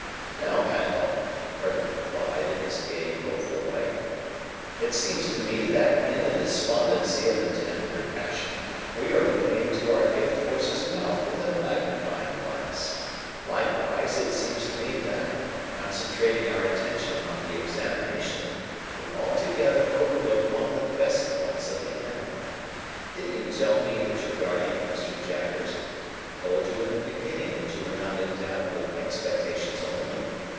"Now, Handel," Herbert replied, in his gay, hopeful way, "it seems to me that in the despondency of the tender passion, we are looking into our gift horse's mouth with a magnifying glass. Likewise, it seems to me that, concentrating our attention on the examination, we altogether overlook one of the best points of the animal. Didn't you tell me that your guardian, Mr. Jaggers, told you in the beginning, that you were not endowed with expectations only?